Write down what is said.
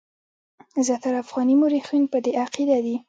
زیاتره افغاني مورخین پر دې عقیده دي.